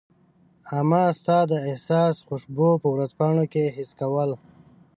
امه ستا د احساس خوشبو په ورځپاڼو کي حس کول